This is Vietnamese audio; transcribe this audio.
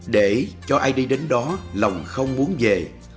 để cho ai đi đến đó lòng không muốn về